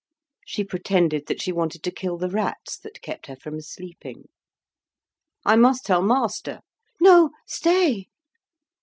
She pretended that she wanted to kill the rats that kept her from sleeping. "I must tell master." "No, stay!"